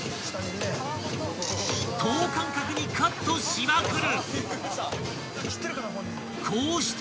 ［等間隔にカットしまくる］